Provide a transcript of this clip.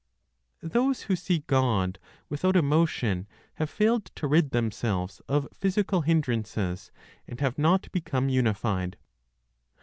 THOSE WHO SEE GOD WITHOUT EMOTION HAVE FAILED TO RID THEMSELVES OF PHYSICAL HINDRANCES, AND HAVE NOT BECOME UNIFIED.